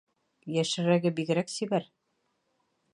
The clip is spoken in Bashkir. Йәшерәге бигерәк сибәр.